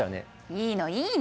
いいのいいの。